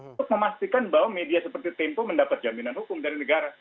untuk memastikan bahwa media seperti tempo mendapat jaminan hukum dari negara